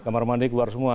kamar mandi keluar semua